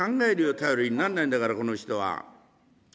頼りになんないんだからこの人は。